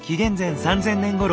３０００年ごろ